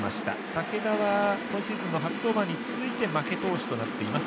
武田は、今シーズンの初登板に続いて負け投手となっています